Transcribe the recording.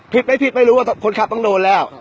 ผิดไม่ผิดไม่รู้ว่าคนขับต้องโดนแล้ว